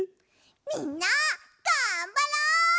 みんながんばろう！